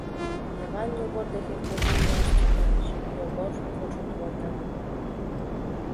Йыван Йогор деке куржын мияш тӱҥалеш, Йогор куржын колта.